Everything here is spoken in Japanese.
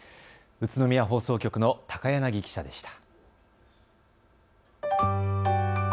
宇都宮放送局の高柳記者でした。